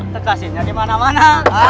terkasihnya di mana mana